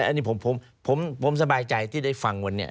อันนี้ผมสบายใจที่ได้ฟังวันนี้